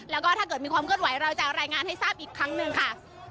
แล้วก็ถ้าเกิดมีความเคลื่อนไหวเราจะรายงานให้ทราบอีกครั้งหนึ่งค่ะ